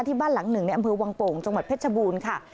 บ้านหลังหนึ่งในอำเภอวังโป่งจังหวัดเพชรบูรณ์ค่ะ